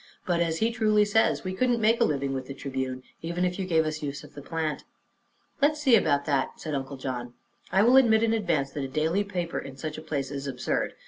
But, as he truly says, we couldn't make a living with the Tribune, even if you gave us the use of the plant." "Let us see about that," said Uncle John. "I will admit, in advance, that a daily paper in such a place is absurd.